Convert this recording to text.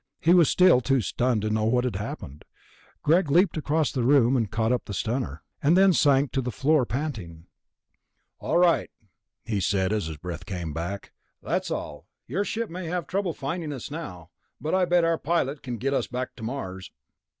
He was still too stunned to know what had happened. Greg leaped across the room, caught up the stunner, and then sank to the floor panting. "All right," he said as his breath came back, "that's all. Your ship may have trouble finding us now ... but I bet our pilot can get us back to Mars."